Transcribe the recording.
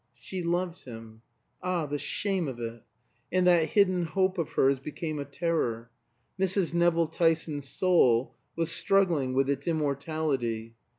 She loved him. Ah, the shame of it! And that hidden hope of hers became a terror. Mrs. Nevill Tyson's soul was struggling with its immortality.